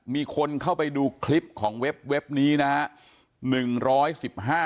มีคนเข้าไปดูคลิปของเว็บนี้นะฮะ